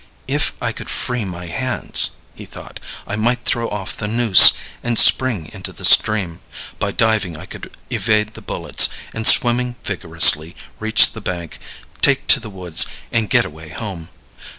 "If I could free my hands," he thought, "I might throw off the noose and spring into the stream. By diving I could evade the bullets, and, swimming vigorously, reach the bank, take to the woods, and get away home.